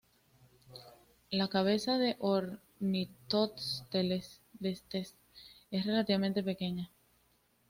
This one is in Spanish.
La cabeza de"Ornitholestes" es relativamente pequeña.